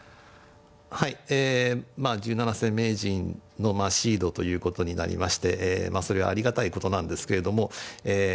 はいえまあ十七世名人のシードということになりましてそれはありがたいことなんですけれどもえ